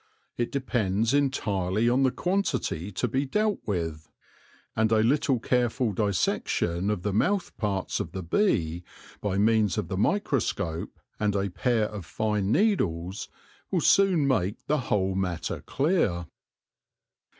It depends entirely on the quantity to be dealt with ; and a little careful dissection of the mouth parts of the bee, by means of the microscope and a pair of fine needles, will soon make the whole matter clear.